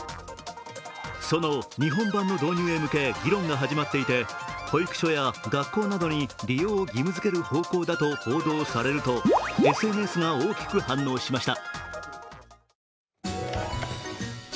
その日本版の導入へ向け議論が始まっていて保育所や学校などに利用を義務づける方向だと報道されると、ＳＮＳが大きく反応しました。